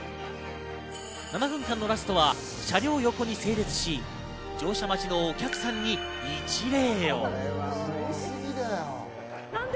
７分間のラストは車両横に整列し、乗車待ちのお客さんに一礼。